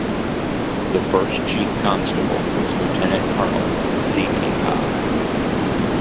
The first Chief Constable was Lieutenant Colonel C. A. Cobbe.